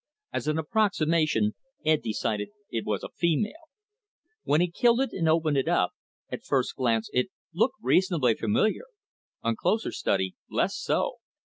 As an approximation, Ed decided it was female. When he killed it and opened it up, at first glance it looked reasonably familiar, on closer study less so.